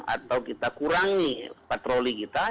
atau kita kurangi patroli kita